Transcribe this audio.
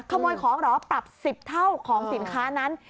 ขโมยของเหรอปรับ๑๐เท่าของสินค้านั้น